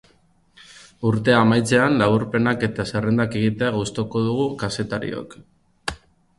Urtea amaitzean, laburpenak eta zerrendak egitea gustoko dugu kazetariok.